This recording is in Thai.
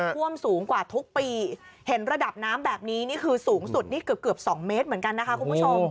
ท่วมสูงกว่าทุกปีเห็นระดับน้ำแบบนี้นี่คือสูงสุดนี่เกือบเกือบสองเมตรเหมือนกันนะคะคุณผู้ชม